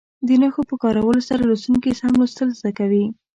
د نښو په کارولو سره لوستونکي سم لوستل زده کوي.